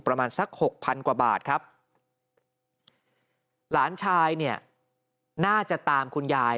ประมาณสักหกพันกว่าบาทครับหลานชายเนี่ยน่าจะตามคุณยาย